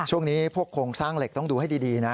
พวกโครงสร้างเหล็กต้องดูให้ดีนะ